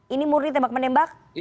ini murni tembak menembak